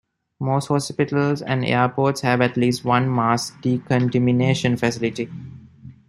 Most hospitals and airports have at least one mass decontamination facility.